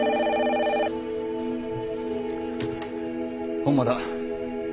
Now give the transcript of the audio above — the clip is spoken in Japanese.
本間だ。